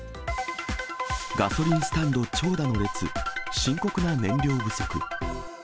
ガソリンスタンド長蛇の列、深刻な燃料不足。